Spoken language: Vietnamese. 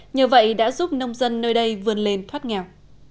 nhờ vậy đã giúp nông dân nơi đây vươn lên thoát nghèo